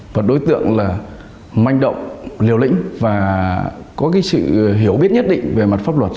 và đối tượng là manh động liều lĩnh và có cái sự hiểu biết nhất định về mặt pháp luật